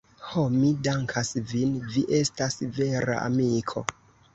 Ho, mi dankas vin, vi estas vera amiko.